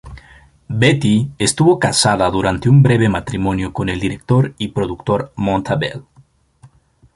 Betty estuvo casada durante un breve matrimonio con el director y productor Monta Bell.